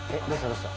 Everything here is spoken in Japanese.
どうした？